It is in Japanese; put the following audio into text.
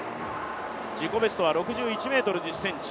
自己ベストは６１ｍ１０ｃｍ。